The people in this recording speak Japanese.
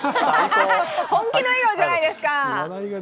本気の笑顔じゃないですか！